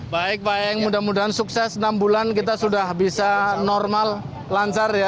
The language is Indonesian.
baik pak eng mudah mudahan sukses enam bulan kita sudah bisa normal lancar ya